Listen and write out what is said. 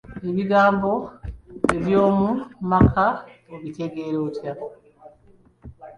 Ebigambo eby'omu maka obitegeera otya?